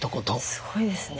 すごいですね。